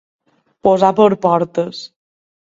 Posar per portes.